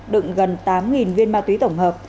đựng gần tám viên ma túy tổng hợp